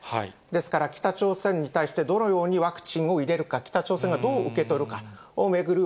ですから、北朝鮮に対してどのようにワクチンを入れるか、北朝鮮がどう受け取るかを巡る